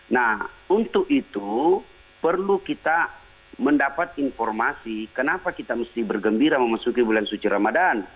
nah untuk itu perlu kita mendapat informasi kenapa kita mesti bergembira memasuki bulan suci ramadan